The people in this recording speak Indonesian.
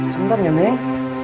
sebentar ya neng